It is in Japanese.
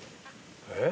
えっ？